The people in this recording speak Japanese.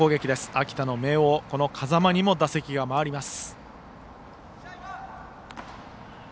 秋田の明桜、風間にも打席が回ります。